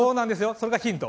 それがヒント。